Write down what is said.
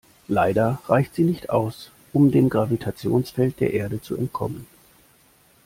Leider reicht sie nicht aus, um dem Gravitationsfeld der Erde zu entkommen.